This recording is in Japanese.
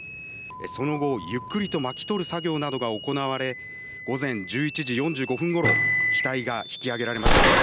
その後、ゆっくりと巻き取る作業などが行われ午前１１時４５分ごろ機体が引きあげられました。